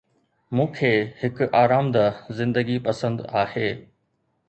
مون کي هڪ آرامده زندگي پسند آهي